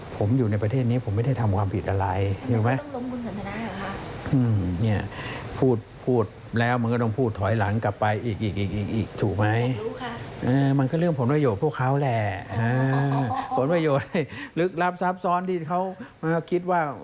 ผมอยู่ในประเทศนี้ผมไม่ได้ทำความผิดอะไรถูกไหม